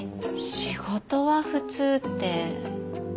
仕事は普通って。